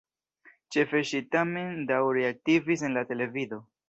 Ĉefe ŝi tamen daŭre aktivis en la televido.